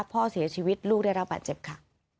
พ่อเสียชีวิตลูกได้รับบาดเจ็บค่ะ